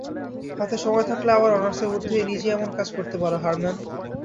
হাতে সময় থাকলে আবার অনার্সে ভর্তি হয়ে নিজেই এমন কাজ করতে পারো, হারম্যান।